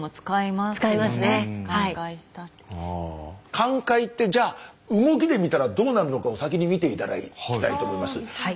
寛解ってじゃあ動きで見たらどうなるのかを先に見て頂きたいと思います。